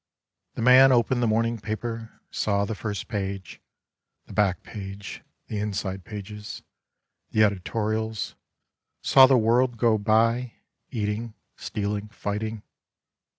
The man opened the morning paper, saw the first page, The back page, the inside pages, the editorials, Saw the world go by, eating, stealing, fighting.